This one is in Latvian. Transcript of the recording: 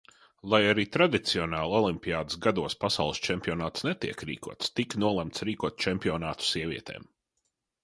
Lai arī tradicionāli olimpiādes gados pasaules čempionāts netiek rīkots, tika nolemts rīkot čempionātu sievietēm.